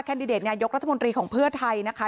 ดิเดตนายกรัฐมนตรีของเพื่อไทยนะคะ